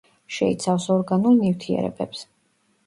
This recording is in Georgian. შეიცავს ორგანულ ნივთიერებებს.